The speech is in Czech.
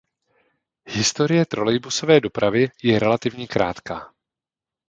Historie trolejbusové dopravy je relativně krátká.